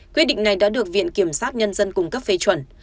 quyết định này đã được viện kiểm sát nhân dân cung cấp phê chuẩn